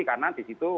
karena di situ